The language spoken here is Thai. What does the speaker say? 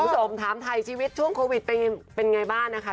สมถามไทยชีวิตช่วงโควิดเป็นอย่างไรบ้างนะคะ